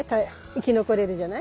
生き残れるじゃない。